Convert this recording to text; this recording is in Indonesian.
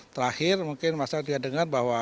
terakhir mungkin masyarakat juga dengar bahwa